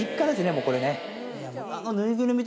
もうこれね。